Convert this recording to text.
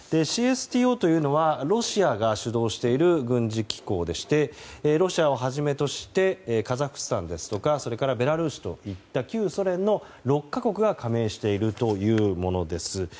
ＣＳＴＯというのはロシアが主導している軍事機構でしてロシアをはじめとしたカザフスタンやそれからベラルーシといった旧ソ連の６か国が加盟しているというものです。